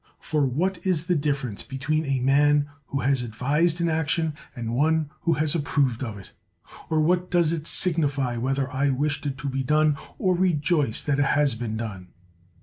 For what is the difference between a man who has advised an action, and one who has approved of it ? or what does it sig nify whether I wished it to be done, or rejoice that it has been done?